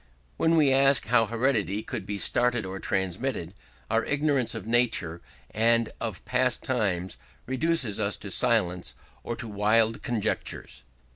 When we ask how heredity could be started or transmitted, our ignorance of nature and of past time reduces us to silence or to wild conjectures.